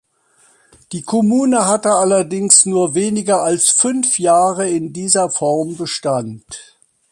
Die Kommune hatte allerdings nur weniger als fünf Jahre in dieser Form Bestand.